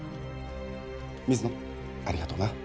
水野ありがとな